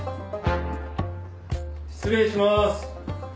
失礼します。